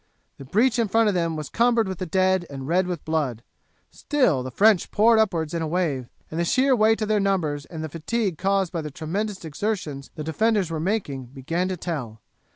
The breach in front of them was cumbered with dead and red with blood. Still the French poured upwards in a wave, and the sheer weight of their numbers and the fatigue caused by the tremendous exertions the defenders were making began to tell.